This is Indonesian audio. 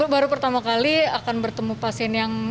baru pertama kali akan bertemu pasien yang